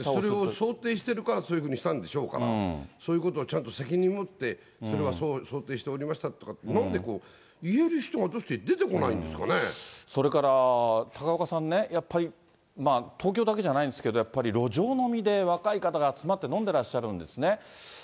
想定してるから、そういうふうにしたんでしょうから、そういうことをちゃんと責任持って、それは想定しておりましたとかって、なんでこう、言えるそれから高岡さんね、やっぱり東京だけじゃないんですけれども、やっぱり路上飲みで若い方が集まって飲んでらっしゃるんですね。